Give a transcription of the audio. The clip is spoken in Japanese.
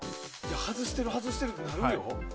外してる、外してるってなるよ。